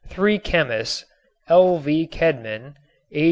Three chemists, L.V. Kedman, A.